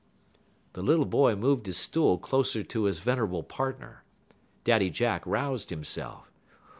The little boy moved his stool closer to his venerable partner. Daddy Jack roused himself.